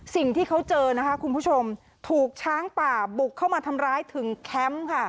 สิ่งที่เขาเจอนะคะคุณผู้ชมถูกช้างป่าบุกเข้ามาทำร้ายถึงแคมป์ค่ะ